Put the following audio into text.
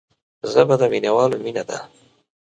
ژبه د مینوالو مینه ده